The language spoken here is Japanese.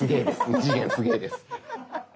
２次元すげぇです。